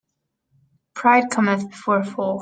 Pride cometh before a fall.